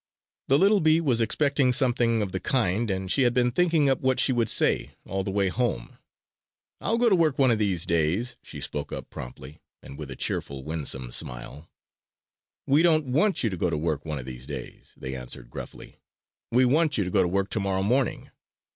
The little bee was expecting something of the kind, and she had been thinking up what she would say all the way home. "I'll go to work one of these days," she spoke up promptly; and with a cheerful, winsome smile. "We don't want you to go to work one of these days," they answered gruffly. "We want you to go to work tomorrow morning.